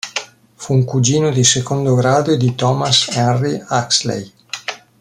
Fu un cugino di secondo grado di Thomas Henry Huxley.